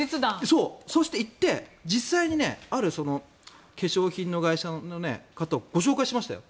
そして行って実際に化粧品の会社の方をご紹介しましたよ。